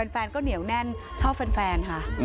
แฟนก็เหนียวแน่นชอบแฟนค่ะ